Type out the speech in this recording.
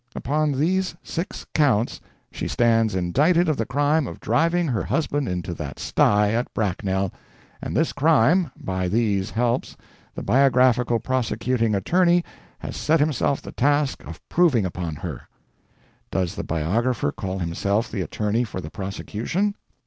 Upon these six counts she stands indicted of the crime of driving her husband into that sty at Bracknell; and this crime, by these helps, the biographical prosecuting attorney has set himself the task of proving upon her. Does the biographer call himself the attorney for the prosecution?